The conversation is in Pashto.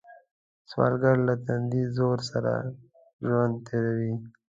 سوالګر له تندي زور سره ژوند تېروي